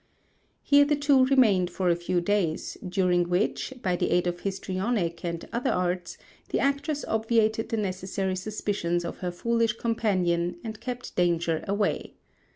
Here the two remained for a few days, during which, by the aid of histrionic and other arts, the actress obviated the necessary suspicions of her foolish companion and kept danger away.